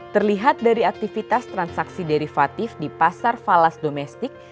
terlihat dari aktivitas transaksi derivatif di pasar falas domestik